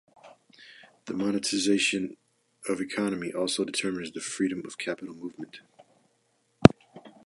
The monetization of economy also determines the freedom of capital movement.